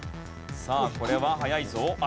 さあこれは早いぞ。